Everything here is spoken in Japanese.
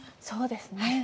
そうですね。